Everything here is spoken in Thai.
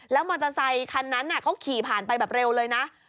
แล้วมอเตอร์ไซคันนั้นเขาขี่ผ่านไปแบบเร็วเลยนะ